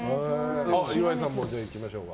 岩井さんもいきましょうか。